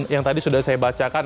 yang tadi sudah saya bacakan